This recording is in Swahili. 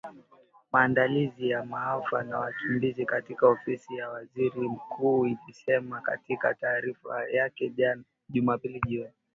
Maandalizi ya maafa na wakimbizi katika Ofisi ya Waziri Mkuu ilisema katika taarifa yake Jumapili jioni .